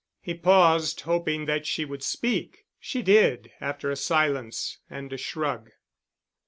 He paused, hoping that she would speak. She did, after a silence and a shrug.